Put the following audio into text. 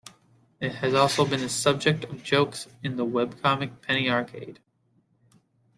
It has also been the subject of jokes in the webcomic Penny Arcade.